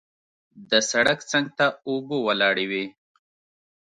د سړک څنګ ته اوبه ولاړې وې.